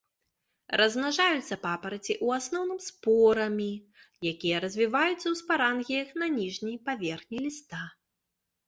Размнажаюцца папараці ў асноўным спорамі, якія развіваюцца ў спарангіях на ніжняй паверхні ліста.